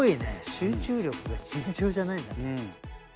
集中力が尋常じゃないんだね。